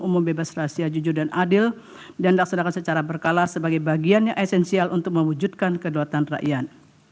umum bebas rahasia jujur dan adil dan dilaksanakan secara berkala sebagai bagian yang esensial untuk mewujudkan kedaulatan rakyat